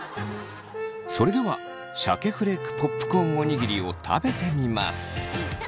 それではシャケフレークポップコーンおにぎりを食べてみます。